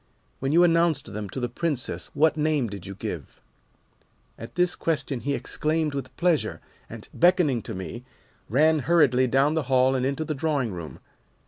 When you announced them to the Princess what name did you give?' "At this question he exclaimed with pleasure, and, beckoning to me, ran hurriedly down the hall and into the drawing room.